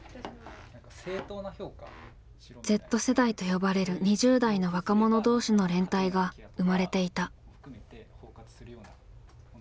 「Ｚ世代」と呼ばれる２０代の若者同士の連帯が生まれていた。